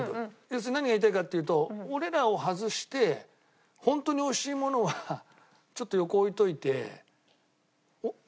要するに何が言いたいかっていうと俺らを外してホントに美味しいものはちょっと横置いといて。